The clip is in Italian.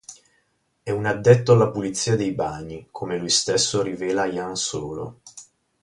È un addetto alla pulizia dei bagni, come lui stesso rivela a Ian Solo.